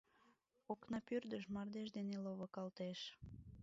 Окнапӱрдыш мардеж дене ловыкалтеш.